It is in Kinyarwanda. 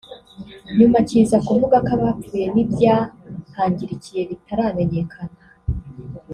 nyuma kiza kuvuga ko abapfuye n’ibyahangirikiye bitaramenyekana